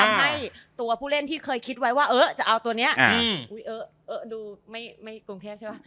บังคับให้ตัวผู้เล่นที่เคยคิดไว้ว่าเออจะเอาตัวเนี้ยอุ๊ยเออดูไม่ตรงแทนใช่ไหม